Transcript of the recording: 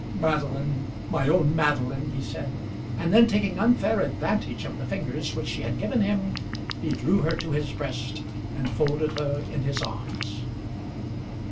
"Madeline, my own Madeline," he said; and then taking unfair advantage of the fingers which she had given him he drew her to his breast and folded her in his arms.